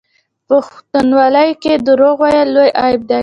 په پښتونولۍ کې دروغ ویل لوی عیب دی.